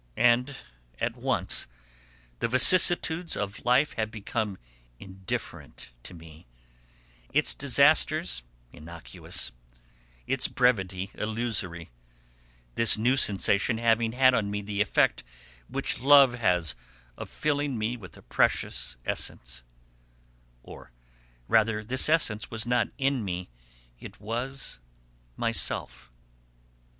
And at once the vicissitudes of life had become indifferent to me, its disasters innocuous, its brevity illusory this new sensation having had on me the effect which love has of filling me with a precious essence; or rather this essence was not in me, it was myself.